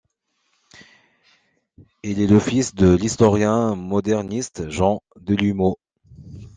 Il est le fils de l'historien moderniste Jean Delumeau.